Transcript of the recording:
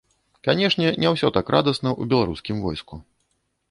Канечне, не ўсё так радасна ў беларускім войску.